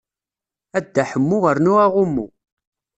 A Dda Ḥemmu rnu aɣummu.